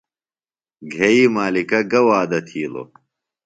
گھئی مالِکہ گہ وعدہ تِھیلوۡ؟